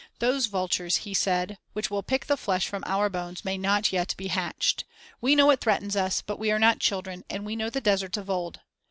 "Those vultures," he said, "which will pick the flesh from our bones may not yet be hatched. We know what threatens us, but we are not children, and we know the desert of old.